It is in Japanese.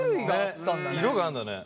色があるんだね。